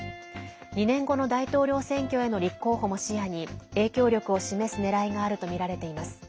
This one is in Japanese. ２年後の大統領選挙への立候補も視野に影響力を示すねらいがあるとみられています。